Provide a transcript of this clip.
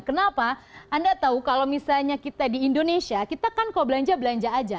kenapa anda tahu kalau misalnya kita di indonesia kita kan kalau belanja belanja aja